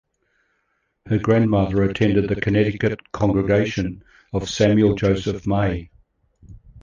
Her grandmother attended the Connecticut congregation of Samuel Joseph May.